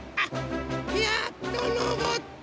やっとのぼった。